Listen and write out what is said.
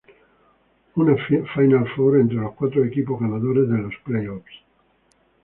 Una Final Four entre los cuatro equipos ganadores de los Play-Offs.